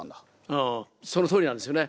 うんそのとおりなんですよね。